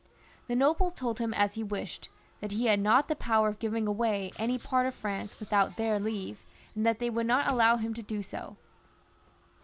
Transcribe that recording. The nobles told him as he wished, that he had not the power of giving away any part of France without their leave, and that they would not allow him to do so.